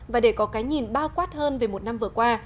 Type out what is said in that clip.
và để có cái nhìn bao quát hơn về một năm vừa qua